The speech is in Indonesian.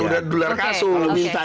udah dular kasus